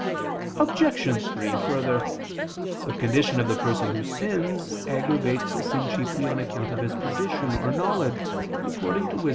Obj. 3: Further, the condition of the person who sins aggravates a sin chiefly on account of his position or knowledge, according to Wis.